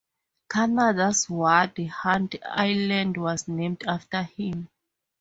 Canada's Ward Hunt Island was named after him.